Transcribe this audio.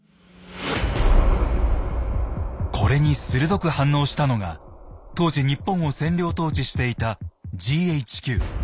これに鋭く反応したのが当時日本を占領統治していたＧＨＱ。